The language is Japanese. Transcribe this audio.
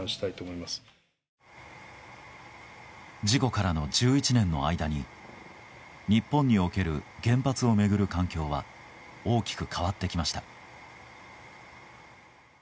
事故からの１１年の間に日本における原発を巡る環境は大きく変わってきました。